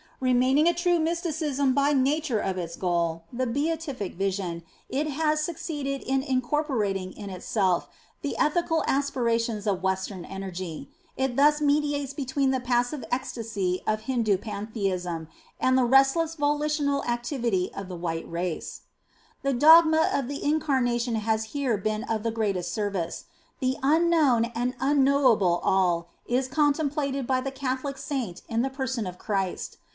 Remaining a true Mysticism by nature of its goal, the " Beatific Vision," it has succeeded in in corporating in itself the ethical aspirations of Western energy. It thus mediates between the passive ecstasy of Hindu Pantheism and the restless volitional activity of the white race. INTRODUCTION xxvif The dogma of the Incarnation has here been of the greatest service. The Unknown and Unknowable All is contemplated by the Catholic Saint in the person of Christ.